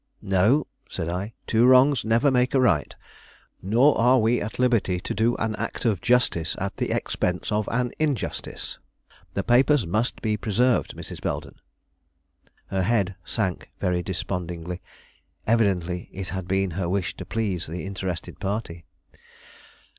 "No," said I; "two wrongs never make a right; nor are we at liberty to do an act of justice at the expense of an injustice. The papers must be preserved, Mrs. Belden." Her head sank very despondingly; evidently it had been her wish to please the interested party.